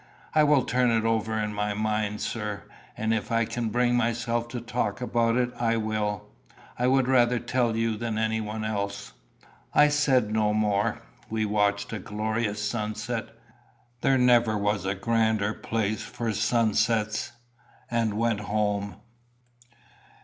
"I will turn it over in my mind, sir; and if I can bring myself to talk about it, I will. I would rather tell you than anyone else." I said no more. We watched a glorious sunset there never was a grander place for sunsets and went home.